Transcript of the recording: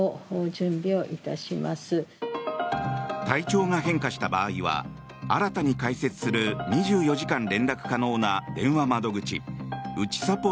体調が変化した場合は新たに開設する２４時間連絡可能な電話窓口うちさ